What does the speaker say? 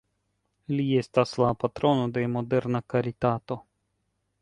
Li estas la patrono de moderna karitato.